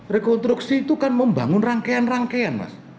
rekonstruksi itu kan membangun rangkaian rangkaian mas